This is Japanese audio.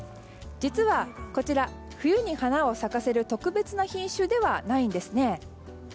実はこちら、冬に花を咲かせる特別な品種ではないんです。